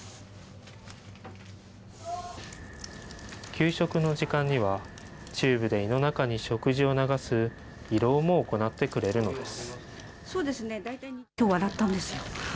給食の時間には、チューブで胃の中に食事を流す胃ろうも行ってくれるのです。